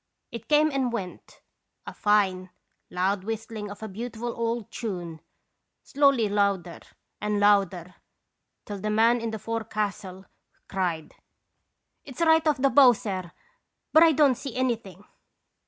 It came and went, a fine, loud whistling of a beautiful old tune, slowly louder and louder, till the man in the forecastle cried :"' It's right off the bow, sir; but I don't see anything.'